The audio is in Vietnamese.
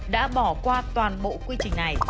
đã bỏ qua toàn bộ quy trình này